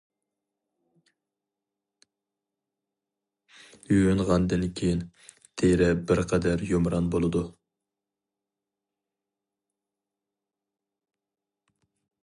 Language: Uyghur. يۇيۇنغاندىن كېيىن تېرە بىر قەدەر يۇمران بولىدۇ.